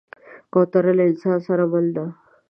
کوتره له انسان سره مل ده.